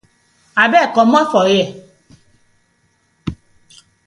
Abeg comot for here.